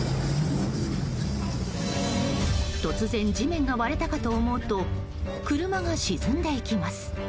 突然、地面が割れたかと思うと車が沈んでいきます。